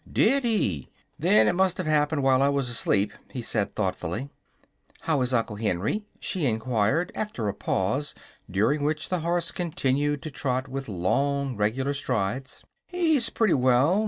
"Did he? Then it must have happened while I was asleep," he said, thoughtfully. "How is Uncle Henry?" she enquired, after a pause during which the horse continued to trot with long, regular strides. "He's pretty well.